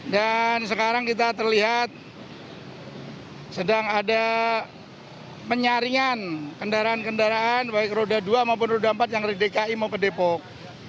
dan sekarang kita terlihat sedang ada penyaringan kendaraan kendaraan baik roda dua maupun roda empat yang dari dki mau ke depok